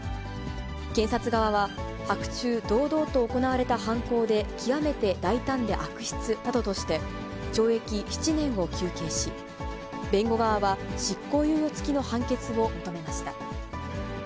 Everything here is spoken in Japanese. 検察側は、白昼堂々と行われた犯行で、極めて大胆で悪質などとして、懲役７年を求刑し、弁護側は執行猶予付きの判決を求めました。